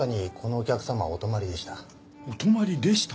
「お泊まりでした」？